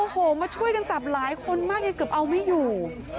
โอ้โหมาช่วยกันจับหลายคนมากยังเกือบเอาไม่อยู่